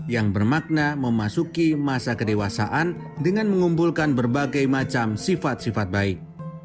yang bermakna memasuki masa kedewasaan dengan mengumpulkan berbagai macam sifat sifat baik